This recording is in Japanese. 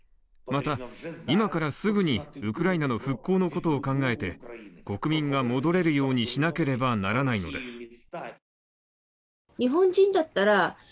また、今からすぐにウクライナの復興のことを考えて国民が戻れるようにしなければならないのです